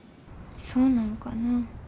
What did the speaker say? そうなんかなぁ。